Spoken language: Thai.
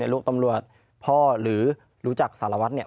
ลูกตำรวจพ่อหรือรู้จักสารวัตรเนี่ย